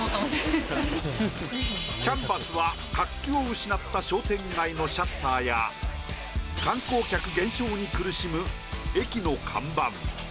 キャンバスは活気を失った商店街のシャッターや観光客減少に苦しむ駅の看板。